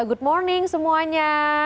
good morning semuanya